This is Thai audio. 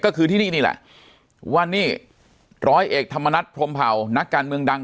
ก็คือที่นี่นี่แหละว่านี่ร้อยเอกธรรมนัฐพรมเผานักการเมืองดัง